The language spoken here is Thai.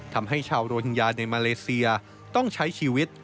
ทำให้ชาวโรฮิงญาในมาเลเซียต้องใช้ชีวิต